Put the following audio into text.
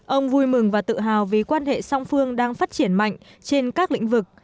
ông vui mừng và tự hào vì quan hệ song phương đang phát triển mạnh trên các lĩnh vực